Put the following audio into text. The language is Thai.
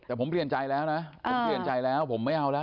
แต่ผมเปลี่ยนใจแล้วนะผมเปลี่ยนใจแล้วผมไม่เอาแล้ว